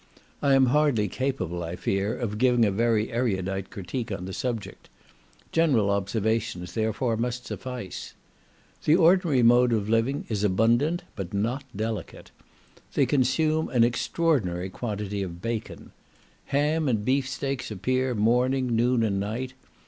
I am hardly capable, I fear, of giving a very erudite critique on the subject; general observations therefore must suffice. The ordinary mode of living is abundant, but not delicate. They consume an extraordinary quantity of bacon. Ham and beaf steaks appear morning, noon, and night.